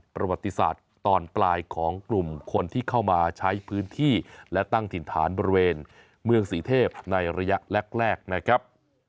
ประวัติศาสตร์ตอนปลายของกลุ่มคนที่เข้ามาใช้พื้นที่และตั้งถิ่นฐานบริเวณเมืองศรีเทพในระยะแรกนะครับ